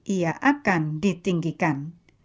barang siapa merendahkan diri ia akan ditinggikan